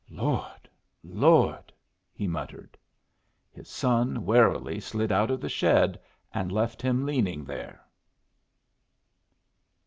"Lord, Lord!" he muttered. His son warily slid out of the shed and left him leaning there.